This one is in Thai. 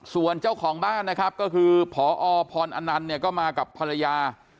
ส่วนเจ้าของบ้านนะครับก็คือพอพรอนันต์เนี่ยก็มากับภรรยา